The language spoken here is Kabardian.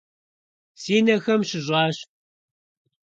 Си нэхэм щыщӏащ.